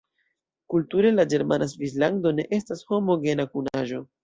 Kulture, la ĝermana Svislando ne estas homogena kunaĵo.